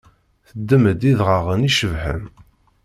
Teddem-d idɣaɣen icebḥen.